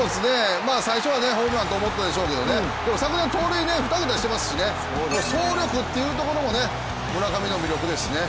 最初はホームランと思ったでしょうけどね、でも昨年盗塁、２桁してますし走力っていうところも村上の魅力ですね。